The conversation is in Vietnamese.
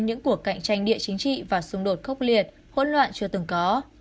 những cuộc cạnh tranh địa chính trị và xung đột khốc liệt hỗn loạn chưa từng có